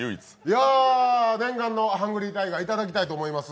いや、念願のハングリータイガー、いただきたいと思います。